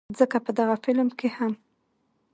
ځکه په دغه فلم کښې هم